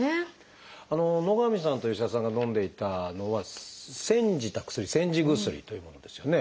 野上さんと吉田さんがのんでいたのは煎じた薬煎じ薬というものですよね。